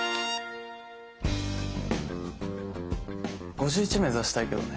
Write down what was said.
５１目指したいけどね